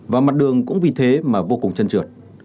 và mặt đường cũng vì thế mà vô cùng chân trượt